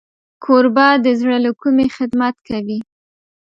کوربه د زړه له کومي خدمت کوي.